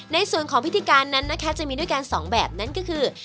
ในส่วนของพิธีการนั้นนะคะจะมีด้วยกันสองแบบนั้นก็คือ